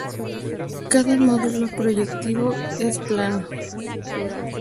Cada módulo proyectivo es plano.